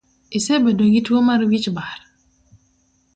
Isebedo gituo tuo mar wich bar?